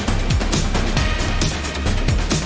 เริ่มทางอาชาราบลูก